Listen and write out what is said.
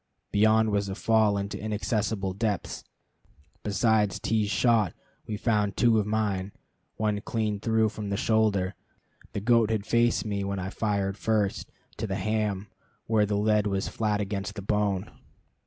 Beyond was a fall into inaccessible depths. Besides T 's shot we found two of mine one clean through from the shoulder the goat had faced me when I fired first to the ham, where the lead was flat against the bone.